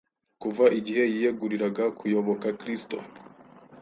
Kuva igihe yiyeguriraga kuyoboka Kristo,